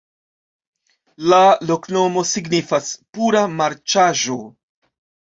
La loknomo signifas: pura-marĉaĵo.